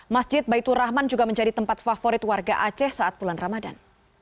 masjid baitur rahman juga menjadi tempat favorit warga aceh saat bulan ramadan